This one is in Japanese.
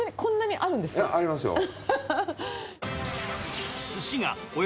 ありますよ。